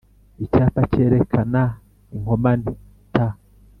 icyapa kerekana inkomane T